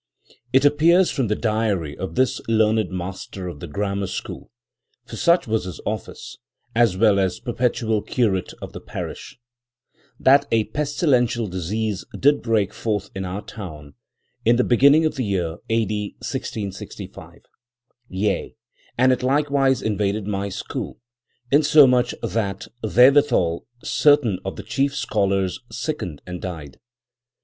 It appears from the diary of this learned master of the grammar school—for such was his office, as well as perpetual curate of the parish,—" that a pestilential disease did break forth in our town in the beginning of the year a.d. 1665; yea, and it likewise invaded my school, insomuch that therewithal certain of the chief scholars sickened and died."